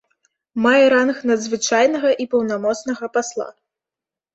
Мае ранг надзвычайнага і паўнамоцнага пасла.